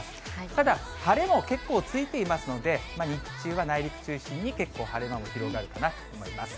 ただ、晴れも結構ついていますので、日中は内陸中心に結構晴れ間も広がるかなと思います。